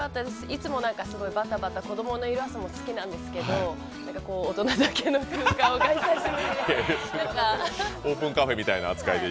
いつもすごいバタバタ、子供のいる朝も好きなんですけど、大人だけの空間で久しぶりに。